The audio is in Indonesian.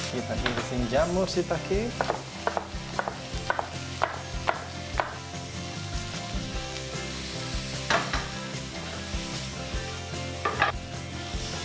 kita kiri sing jamur si pakai